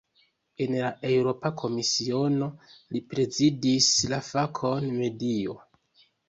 En la Eŭropa Komisiono, li prezidis la fakon "medio".